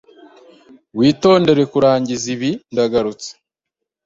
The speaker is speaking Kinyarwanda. Witondere kurangiza ibi ndagarutse.